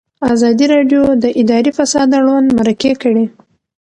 ازادي راډیو د اداري فساد اړوند مرکې کړي.